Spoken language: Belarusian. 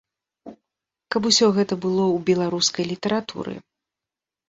Каб усё гэта было ў беларускай літаратуры!